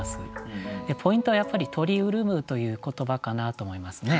ポイントはやっぱり「鳥潤む」という言葉かなと思いますね。